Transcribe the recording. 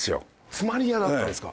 詰まり屋だったんですか？